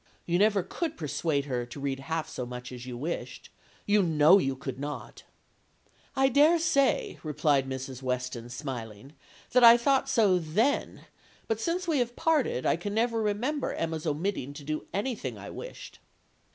You never could persuade her to read half so much as you wished. You know you could not.' "'I dare say,' replied Mrs. Weston, smiling, 'that I thought so then; but since we have parted, I can never remember Emma's omitting to do anything I wished.'